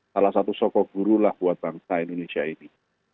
salah satu sokogurulah buat bangsa indonesia ini